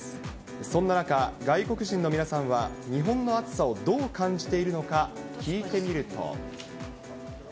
そんな中、外国人の皆さんは、日本の暑さをどう感じているのか、聞いてみると。